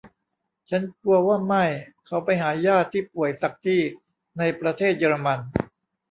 ฉันกลัวว่าไม่ เขาไปหาญาติที่ป่วยสักที่ในประเทศเยอรมัน